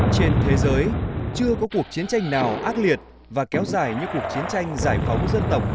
trên thế giới chưa có cuộc chiến tranh nào ác liệt và kéo dài như cuộc chiến tranh giải phóng dân tộc